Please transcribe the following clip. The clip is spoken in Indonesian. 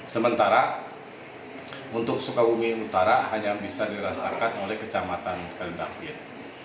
sementara untuk sukabumi utara hanya bisa dirasakan oleh kecamatan kalidapiat